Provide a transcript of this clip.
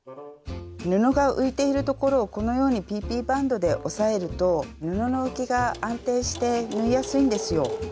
布が浮いているところをこのようにＰＰバンドで押さえると布の浮きが安定して縫いやすいんですよ。